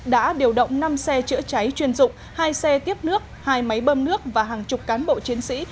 đã điều động năm xe chữa cháy chuyên dụng hai xe tiếp nước hai máy bơm nước và hàng chục cán bộ chiến sĩ